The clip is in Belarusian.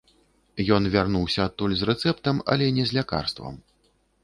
Ён вярнуўся адтуль з рэцэптам, але не з лякарствам.